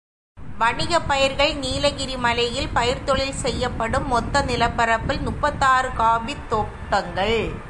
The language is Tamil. வணிகப் பயிர்கள் நீலகிரி மலையில் பயிர்த்தொழில் செய்யப்படும் மொத்த நிலப்பரப்பில் முப்பத்தாறு காஃபித் தோட்டங்கள்.